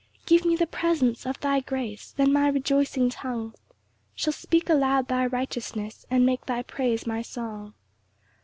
2 Give me the presence of thy grace, Then my rejoicing tongue Shall speak aloud thy righteousness, And make thy praise my song.